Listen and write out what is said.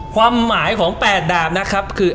ความหมายของ๘ดาบนะครับคือ